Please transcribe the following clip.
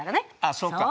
あそうか。